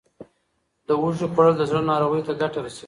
د هوږې خوړل د زړه ناروغیو ته ګټه رسوي.